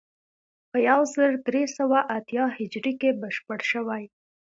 په یو زر درې سوه اتیا هجري کې بشپړ شوی.